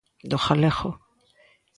Do galego.